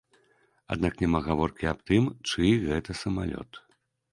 Аднак няма гаворкі аб тым, чый гэта самалёт.